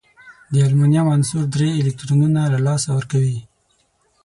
د المونیم عنصر درې الکترونونه له لاسه ورکوي.